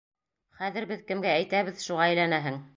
Хәҙер беҙ кемгә әйтәбеҙ, шуға әйләнәһең!